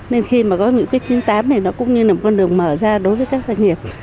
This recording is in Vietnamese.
nên khi mà có nghị quyết chín mươi tám này nó cũng như là một con đường mở ra đối với các doanh nghiệp